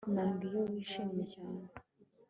Nanga iyo wishimye cyane